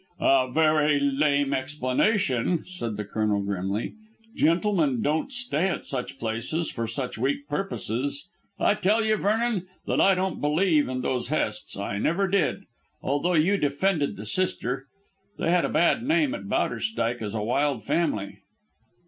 "A very lame explanation," said the Colonel grimly. "Gentlemen don't stay at such places for such weak purposes. I tell you, Vernon, that I don't believe in those Hests. I never did, although you defended the sister. They had a bad name at Bowderstyke as a wild family."